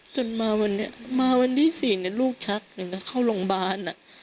จนมาวันที่๔เนี่ยลูกชักหนูก็เข้าโรงบาลอะ